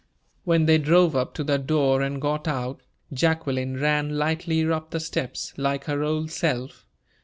When they drove up to the door and got out, Jacqueline ran lightly up the steps, like her old self.